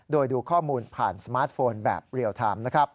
โดยดูข้อมูลผ่านสมาร์ทโฟนแบบเรียลไทม์